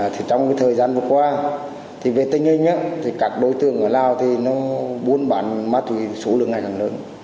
trong thời gian vừa qua về tình hình các đối tượng ở lào muốn bán má túy số lượng ngày càng lớn